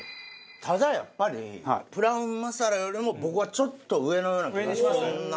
ただやっぱりプラウンマサラよりも僕はちょっと上のような気がするな。